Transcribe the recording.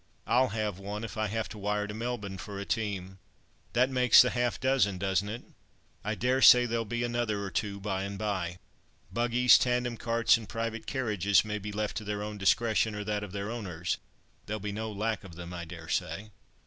I'll have one, if I have to wire to Melbourne for a team, that makes the half dozen, doesn't it? I daresay there'll be another or two by and by. Buggies, tandem carts, and private carriages may be left to their own discretion, or that of their owners—there'll be no lack of them, I daresay."